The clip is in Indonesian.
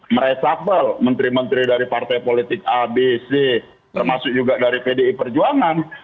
mereshuffle menteri menteri dari partai politik ab c termasuk juga dari pdi perjuangan